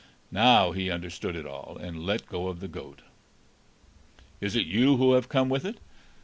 Now he understood it all, and let go the goat. "Is it you who have come with it?"